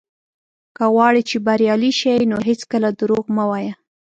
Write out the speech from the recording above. که غواړې چې بريالی شې، نو هېڅکله دروغ مه وايه.